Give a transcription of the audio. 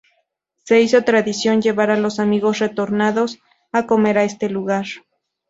Se hizo tradición llevar a los amigos retornados a comer a este lugar.